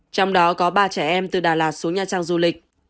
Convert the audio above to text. trong đó có ba trẻ em từ đà lạt xuống nha trang du lịch